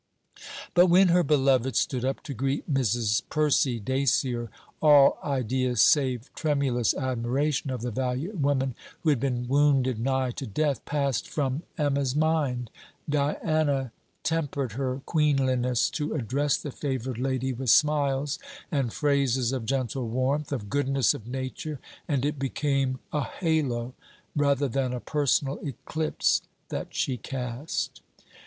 But when her beloved stood up to greet Mrs. Percy Dacier, all idea save tremulous admiration of the valiant woman, who had been wounded nigh to death, passed from Emma's mind. Diana tempered her queenliness to address the favoured lady with smiles and phrases of gentle warmth, of goodness of nature; and it became a halo rather than a personal eclipse that she cast.